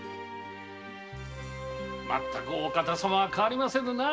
まったくお方様は変わりませぬな。